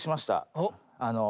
おっ？